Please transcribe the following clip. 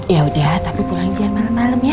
ya sudah tapi pulang jangan malam malam ya